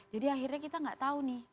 jadi akhirnya kita gak tahu nih